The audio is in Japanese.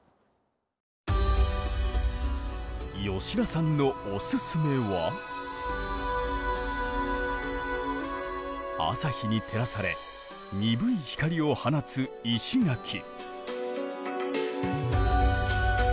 吉田さんのオススメは朝日に照らされ鈍い光を放つ石垣。